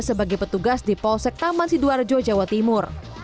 sebagai petugas di polsek taman sidoarjo jawa timur